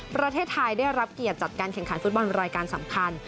ประเทศไทยได้รับเกียรติจัดการแข่งขันฟุตบอลรายการสำคัญ